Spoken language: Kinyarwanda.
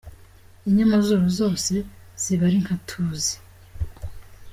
Inyamazuru zose ziba ari nkatuzi.